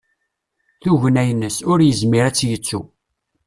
Tugna-ines, ur yezmir ad tt-yettu.